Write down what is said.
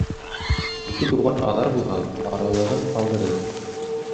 Ике туған аҙар булһа, аралағын алдырыр.